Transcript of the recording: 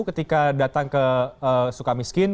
itu ketika datang ke suka miskin